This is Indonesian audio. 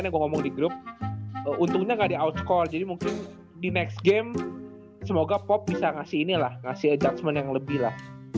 saya mau ngomong di grup untungnya gak di outscore jadi mungkin di next game semoga pop bisa ngasih ini lah ngasih adjustment yang lebih lah